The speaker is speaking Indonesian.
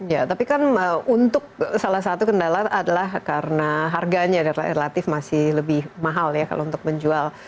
ya tapi kan untuk salah satu kendala adalah karena harganya relatif masih lebih mahal ya kalau untuk menjual